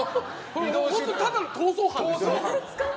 ただの逃走犯ですよ。